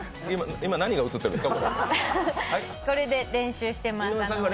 今、何が写ってるんですか？